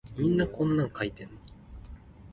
有苦無塊講